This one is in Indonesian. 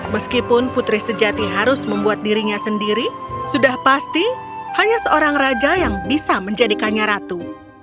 meskipun putri sejati harus membuat dirinya sendiri sudah pasti hanya seorang raja yang bisa menjadikannya ratu